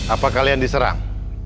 apa kalian diserang